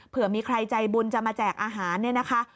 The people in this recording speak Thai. เผื่อมีใครใจบุญจะมาแจกอาหารเนี่ยนะคะ